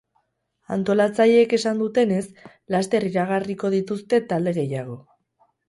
Antolatzaileek esan dutenez, laster iragarriko dituzte talde gehiago.